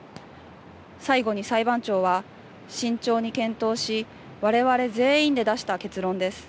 最後に裁判長は、慎重に検討し、われわれ全員で出した結論です。